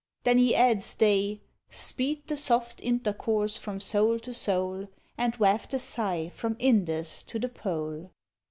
Then he adds, they Speed the soft intercourse from soul to soul, And waft a sigh from Indus to the Pole.